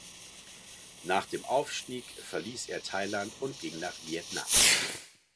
Nach dem Aufstieg verließ er Thailand und ging nach Vietnam.